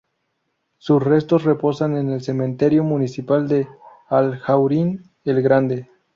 Sus restos reposan en el Cementerio Municipal de Alhaurín el Grande.